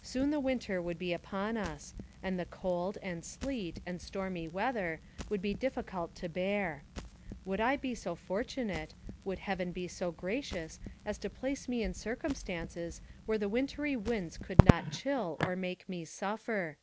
Soon the winter would be upon us, and the cold, and sleet, and stormy weather would be more difficult to bear. Would I be so fortunate, would Heaven be so gracious as to place me in circumstances where the wintry winds could not chill or make me suffer